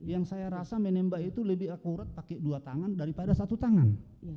yang saya rasa menembak itu lebih akurat pakai dua tangan daripada satu tangan